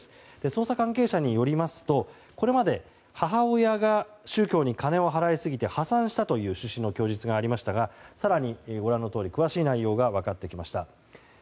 捜査関係者によりますとこれまで母親が宗教に金を払いすぎて破産したという趣旨の供述がありましたが更に、ご覧のとおり詳しい内容が分かってきました。